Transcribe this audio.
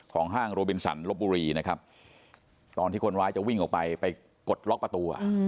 ห้างโรบินสันลบบุรีนะครับตอนที่คนร้ายจะวิ่งออกไปไปกดล็อกประตู